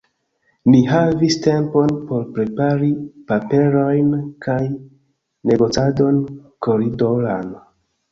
Ni havis tempon por prepari paperojn kaj negocadon koridoran.